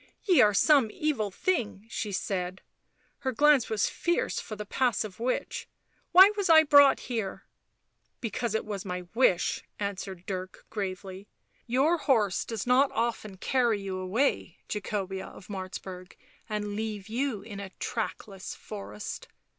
" Ye are some evil thing," she said; her glance was fierce for the passive witch. " Why was I brought here V 3 " Because it was my wish," answered Dirk gravely. " Your horse does not often carry you away, Jacobea of Martzburg, and leave you in a trackless forest."